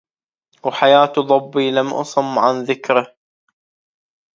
وحياة ظبي لم أصم عن ذكره